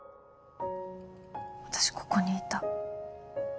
私ここにいた